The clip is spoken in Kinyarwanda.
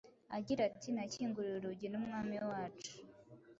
agira ati: “Nakinguriwe urugi n’Umwami wacu.”